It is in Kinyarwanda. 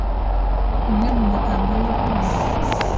Amwe mu magambo y’urukundo